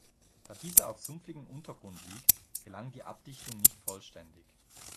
Da dieser auf sumpfigem Untergrund liegt, gelang die Abdichtung nicht vollständig.